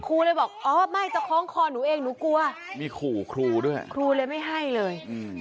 ครูเลยบอกอ๋อไม่จะคล้องคอหนูเองหนูกลัวมีขู่ครูด้วยครูเลยไม่ให้เลย